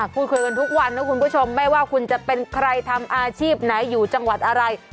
คุยกันทุกวันนะคุณผู้ชมไม่ว่าคุณจะเป็นใครทำอาชีพไหนอยู่จังหวัดอะไร